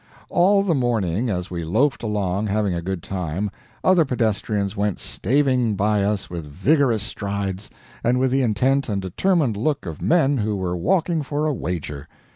All the morning, as we loafed along, having a good time, other pedestrians went staving by us with vigorous strides, and with the intent and determined look of men who were walking for a wager.